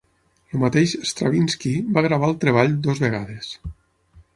El mateix Stravinski va gravar el treball dues vegades.